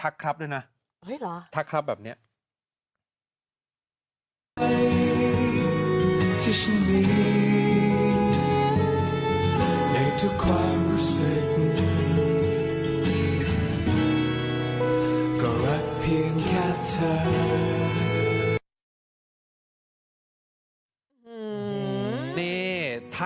ก็รักเพียงแค่เธอ